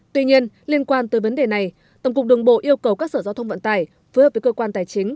tuy nhiên liên quan tới vấn đề này tổng cục đường bộ yêu cầu các sở giao thông vận tải phối hợp với cơ quan tài chính